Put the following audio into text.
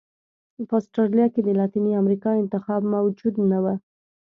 په اسټرالیا کې د لاتینې امریکا انتخاب موجود نه و.